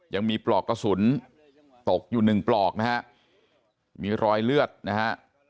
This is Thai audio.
ปลอกกระสุนตกอยู่หนึ่งปลอกนะฮะมีรอยเลือดนะฮะ